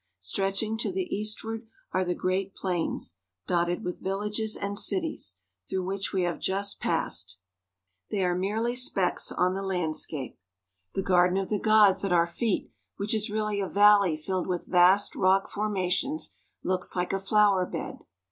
Stretching to the eastward are the great plains, dotted with villages and cities, through which we have just passed. They are merely specks on 236 THE ROCKY MOUNTAIN REGION. The Garden of the Gods. the landscape. The Garden of the Gods at our feet, which is really a valley filled with vast rock formations, looks like a flower bed.